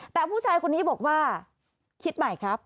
แต่ผู้ชายคนนี้บอกว่าคิดใหม่ครับ